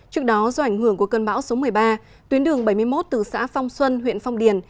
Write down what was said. trước đó do ảnh hưởng của cơn bão số một mươi ba tuyến đường bảy mươi một từ xã phong xuân huyện phong điền